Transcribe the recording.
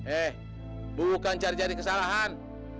eh bukan cari cari kesalahan